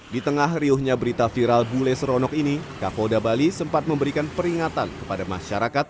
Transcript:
di tengah riuhnya berita viral bule seronok ini kapolda bali sempat memberikan peringatan kepada masyarakat